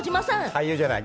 俳優じゃない。